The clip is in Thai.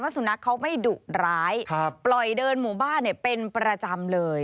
สุนัขเขาไม่ดุร้ายปล่อยเดินหมู่บ้านเป็นประจำเลย